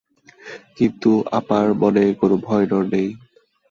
কিন্তু আপার মনে কোনো ভয়ডর নেই।